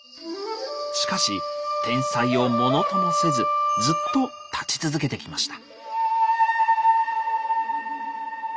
しかし天災をものともせずずっと立ち続けてきました。